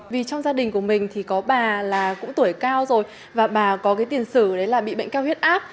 vì trong gia đình của mình thì có bà là cũng tuổi cao rồi và bà có cái tiền sử đấy là bị bệnh cao huyết áp